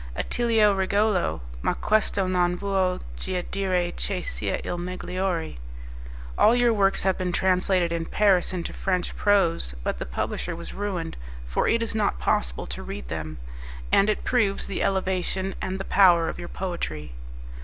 "'Attilio Regolo; ma questo non vuol gia dire che sia il megliore'." "All your works have been translated in Paris into French prose, but the publisher was ruined, for it is not possible to read them, and it proves the elevation and the power of your poetry."